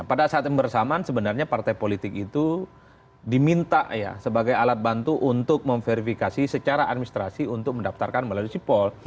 pada saat yang bersamaan sebenarnya partai politik itu diminta ya sebagai alat bantu untuk memverifikasi secara administrasi untuk mendaftarkan melalui sipol